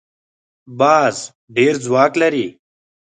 باز ډېر ځواک لري